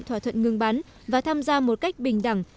thỏa thuận ngừng bắn và tham gia một cách bình đẳng